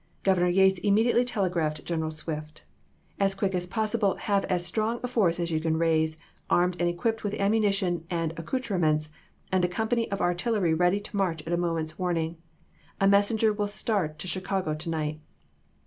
Governor Yates immediately telegraphed General Swift: "As quick as possible have as strong a ^Mt!"* force as you can raise, armed and equipped with ^Reporfot* ammunition and accouterments, and a company of tant^(^n artillery ready to march at a moment's warning. niinois. A messenger will start to Chicago to night."